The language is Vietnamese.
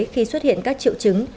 khi xuất hiện các triệu chứng